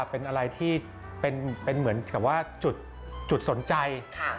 เป็นอะไรที่เป็นเหมือนกับว่าจุดสนใจ